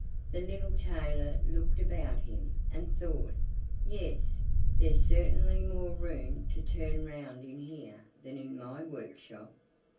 The little tailor looked about him, and thought: "Yes, there's certainly more room to turn round in here than in my workshop."